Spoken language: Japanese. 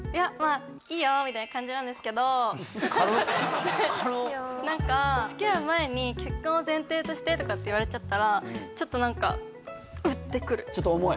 「いいよ」みたいな感じなんですけど付き合う前に「結婚を前提として」とかって言われちゃったらちょっと何かウッてくるちょっと重い？